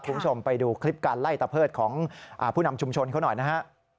คุณผู้ชมไปดูคลิปการไล่ตะเพิดของผู้นำชุมชนเขาหน่อยนะฮะ